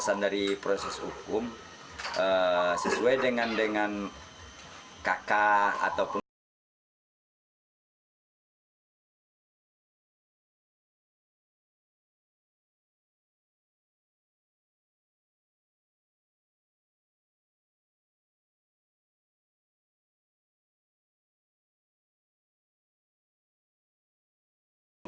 pertanyaan terakhir mengapa ini terjadi